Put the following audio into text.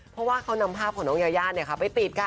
เพราะว่าเขานำภาพของน้องยายาไปติดค่ะ